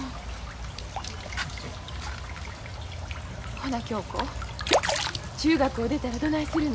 ほな恭子中学を出たらどないするの？